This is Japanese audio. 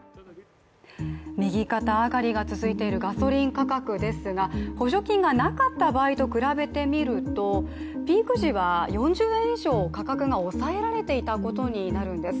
右肩上がりが続いているガソリン価格ですが補助金がなかった場合と比べてみるとピーク時は４０円以上価格が抑えられていたことになるんです。